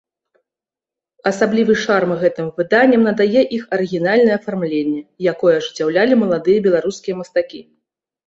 Асаблівы шарм гэтым выданням надае іх арыгінальнае афармленне, якое ажыццяўлялі маладыя беларускія мастакі.